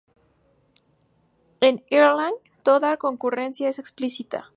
En Erlang toda concurrencia es explícita.